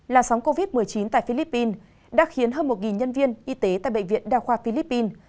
làn sóng covid một mươi chín tại philippines đã khiến hơn một nhân viên y tế tại bệnh viện đa khoa philippines